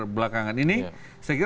belakangan ini saya kira